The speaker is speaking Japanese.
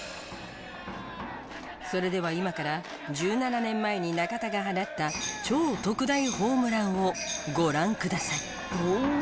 それでは今から１７年前に中田が放った超特大ホームランをご覧ください。